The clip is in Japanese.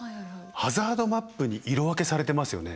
ハザードマップに色分けされてますよね。